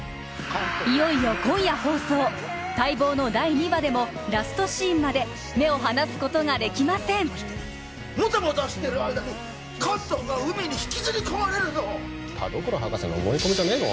いよいよ今夜放送待望の第２話でもラストシーンまで目を離すことができませんもたもたしてる間に関東が海に引きずり込まれるぞ田所博士の思い込みじゃねえの？